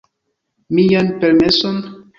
Mian permeson?